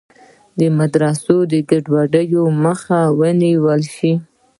د مدرسو د ګډوډیو مخه ونیول شي.